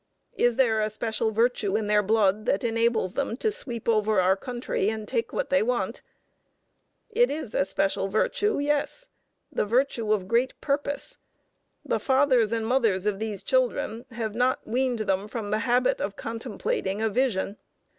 Is there a special virtue in their blood that enables them to sweep over our country and take what they want? It is a special virtue, yes: the virtue of great purpose. The fathers and mothers of these children have not weaned them from the habit of contemplating a Vision.